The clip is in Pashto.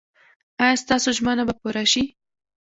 ایا ستاسو ژمنه به پوره شي؟